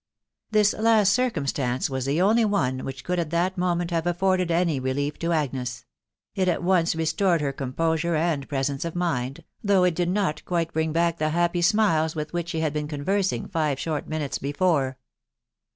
This last circumstance was the only one which could at that moment have afforded any relief to Agnes ; it at once restored her composure and presence of mind, though it did not quite bring back the happy smiles with which she had been convers ing five short minutes before.